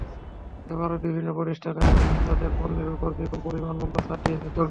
এবারও বিভিন্ন প্রতিষ্ঠান তাদের পণ্যের ওপর বিপুল পরিমাণের মূল্য ছাড় দিয়েছে।